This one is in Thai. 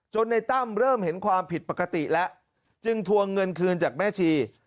ในตั้มเริ่มเห็นความผิดปกติแล้วจึงทวงเงินคืนจากแม่ชี